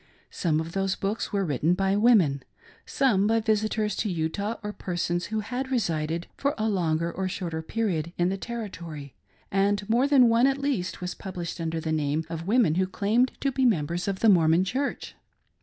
Some of those books were written by women ; some by visitors to Utah, or persons who had resided for a longer or shorter period in the Territory ; and more than one at least was published under the name of women who claimed to be members of the Mormon Church.